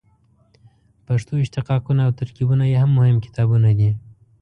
پښتو اشتقاقونه او ترکیبونه یې هم مهم کتابونه دي.